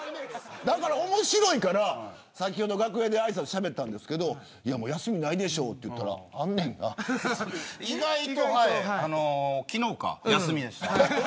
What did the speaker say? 面白いから先ほど楽屋でしゃべったんですけど休みないでしょうと言ったら意外と昨日か、休みでした。